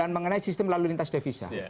mengenai sistem lalu lintas devisa